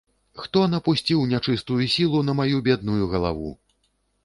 Хто напусціў нячыстую сілу на маю бедную галаву?